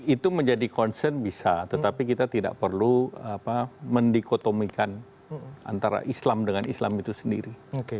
itu menjadi concern bisa tetapi kita tidak perlu mendikotomikan antara islam dengan islam itu sendiri